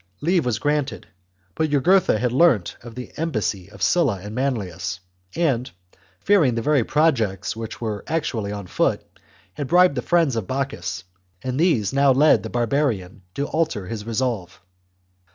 Leave was granted; but Jugurtha had learnt of the embassy of Sulla and Manlius, and, fearing the very projects which were actually on foot, had bribed the friends of Bocchus, and these now led the barbarian to alter his resolve.